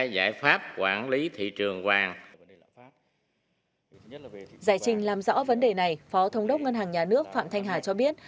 giải trình làm rõ vấn đề này phó thống đốc ngân hàng nhà nước phạm thanh hà cho biết